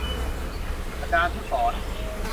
อาจารย์ผู้สอน